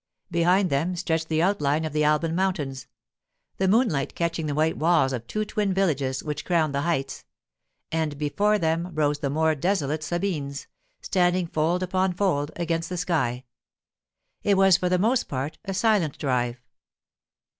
Behind them stretched the outline of the Alban mountains, the moonlight catching the white walls of two twin villages which crowned the heights; and before them rose the more desolate Sabines, standing fold upon fold against the sky. It was for the most part a silent drive.